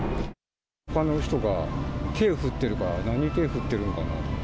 ほかの人が手を振ってるから、なんに手振ってるのかなって。